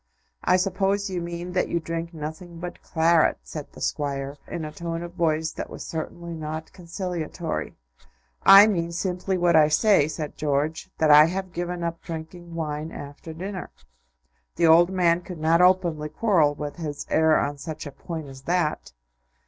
"I suppose you mean that you drink nothing but claret," said the Squire, in a tone of voice that was certainly not conciliatory. "I mean simply what I say," said George "that I have given up drinking wine after dinner." The old man could not openly quarrel with his heir on such a point as that.